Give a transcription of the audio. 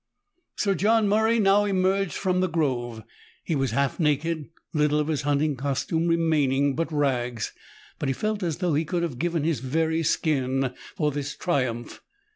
Sir John Murray now emerged from the grove. He was half naked, little of his hunting costume remaining but rags. But he felt as though he could have given his very skin for this triumph.